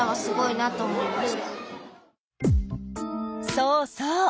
そうそう。